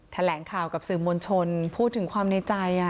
แถลงข่าวกับสื่อมวลชนพูดถึงความในใจ